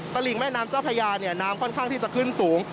ตลิงแม่น้ำเจ้าพญาเนี่ยน้ำค่อนข้างที่จะขึ้นสูง